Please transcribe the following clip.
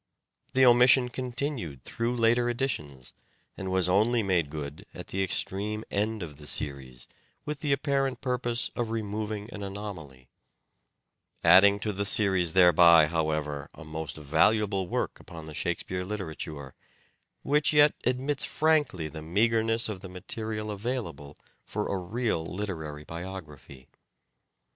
The omission continued through later editions, and was only made good at the extreme end of the series with the apparent purpose of removing an anomaly ; adding to the series thereby, however, a most valuable work upon the Shakespeare literature, which yet admits frankly the meagreness of the material available for a real literary biography.